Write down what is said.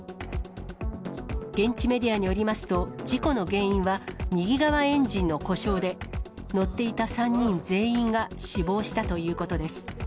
現地メディアによりますと、事故の原因は、右側エンジンの故障で、乗っていた３人全員が死亡したということです。